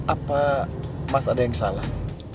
apa mas ada yang salah